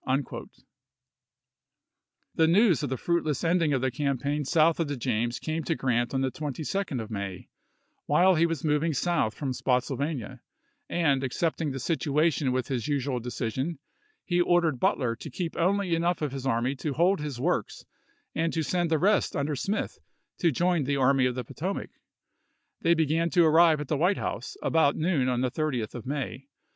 ^ The news of the fruitless ending of the campaign south of the James came to Grant on the 22d of May, while he was moving south from Spotsylva nia ; and, accepting the situation with his usual decision, he ordered Butler to keep only enough of his army to hold his works, and to send the rest under Smith to join the Army of the Potomac. They began to arrive, at the White House about noon of the 30th of May.